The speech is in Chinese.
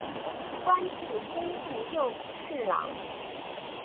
官至工部右侍郎。